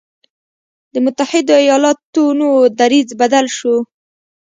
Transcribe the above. د متحدو ایالتونو دریځ بدل شو.